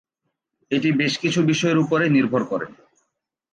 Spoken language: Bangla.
এটি বেশ কিছু বিষয়ের উপরে নির্ভর করে।